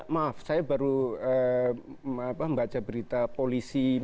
maaf saya baru baca berita polisi